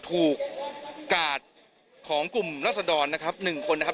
ถูกกาดของกลุ่มรัศดรนะครับ๑คนนะครับ